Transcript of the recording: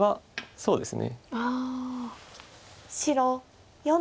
そうですね。